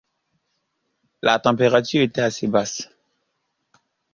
La température était assez basse.